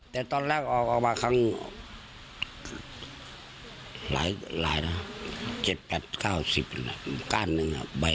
แต่ตอนแรกออกออกมาครั้งหลายหลายนะครับเจ็ดแปดเก้าสิบก้านหนึ่งครับใบ